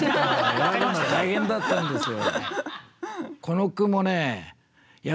選ぶの大変だったんですよ。